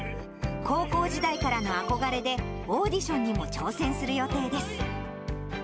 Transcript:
高校時代からの憧れで、オーディションにも挑戦する予定です。